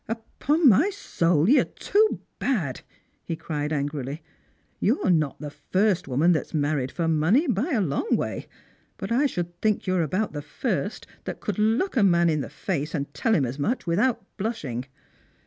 "Upon my soul, you're too bad," he cried angrily. "You're not the first woman that has married for money, by a long way, but I should think you're about the first that would look a man in the face and tell him as much without blushing."